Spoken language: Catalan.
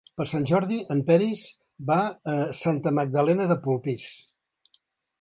Per Sant Jordi en Peris va a Santa Magdalena de Polpís.